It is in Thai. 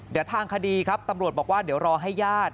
เดี๋ยวทางคดีครับตำรวจบอกว่าเดี๋ยวรอให้ญาติ